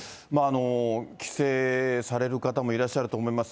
帰省される方もいらっしゃると思います。